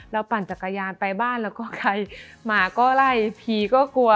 ปั่นจักรยานไปบ้านแล้วก็ใครหมาก็ไล่ผีก็กลัว